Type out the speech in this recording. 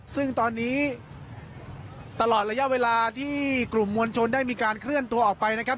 ซึ่งตอนนี้ตลอดระยะเวลาที่กลุ่มมวลชนได้มีการเคลื่อนตัวออกไปนะครับ